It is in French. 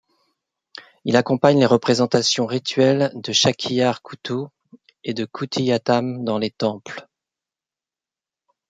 Il accompagne les représentations rituelles de châkkiyar kûthu et de kutiyattam dans les temples.